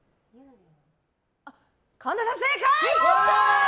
神田さん、正解！